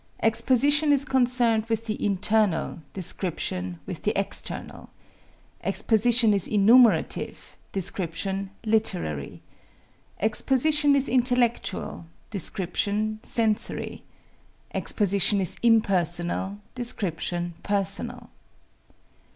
Exposition is concerned with the internal, description with the external. Exposition is enumerative, description literary. Exposition is intellectual, description sensory. Exposition is impersonal, description personal.